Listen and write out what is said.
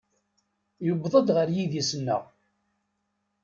Yebded ɣer yidis-nneɣ.